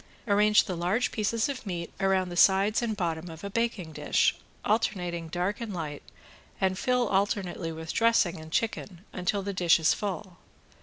Arrange the large pieces of meat around the sides and bottom of a baking dish, alternating dark and light, and fill alternately with dressing and chicken until the dish is full.